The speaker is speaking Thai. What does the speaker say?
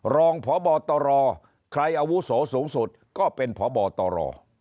รองผ่อบ่อต่อรอใครอาวุโสสูงสุดก็เป็นผ่อบ่อต่อรอ